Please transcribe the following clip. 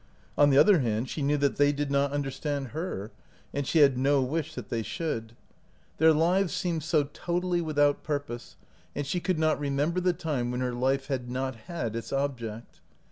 On the other hand, she knew that they did not understand her, and she had no wish that they should. Their 90 OUT OF BOHEMIA lives seemed so totally without purpose, and she could not remember the time when her life had not had its object.